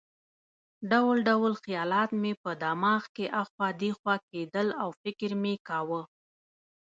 ډول ډول خیالات مې په دماغ کې اخوا دېخوا کېدل او فکر مې کاوه.